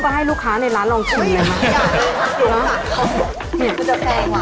ก็ให้ลูกค้าในร้านลองชิมเลยมา